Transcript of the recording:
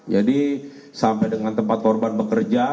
jadi sampai dengan tempat korban bekerja